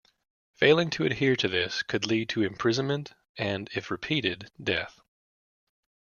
Failing to adhere to this could lead to imprisonment and, if repeated, death.